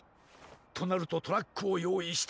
となるとトラックをよういして。